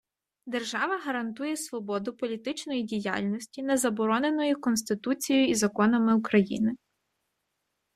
Держава гарантує свободу політичної діяльності, не забороненої Конституцією і законами України.